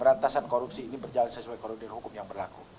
berantasan korupsi ini berjalan sesuai korunder hukum yang berlaku